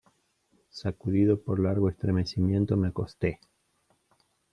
sacudido por largo estremecimiento me acosté.